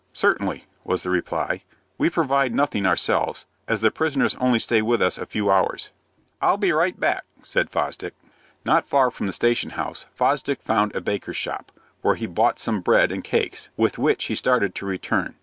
"Certainly," was the reply. "We provide nothing ourselves, as the prisoners only stay with us a few hours." "I'll be right back," said Fosdick. Not far from the station house, Fosdick found a baker's shop, where he bought some bread and cakes, with which he started to return.